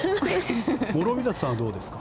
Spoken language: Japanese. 諸見里さんはどうですか？